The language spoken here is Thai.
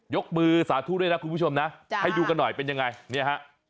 ยกมือสาธุด้วยนะคุณผู้ชมนะให้ดูกันหน่อยเป็นยังไงเนี่ยฮะ